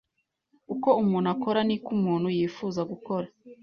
Uko umuntu akora, niko umuntu yifuza gukora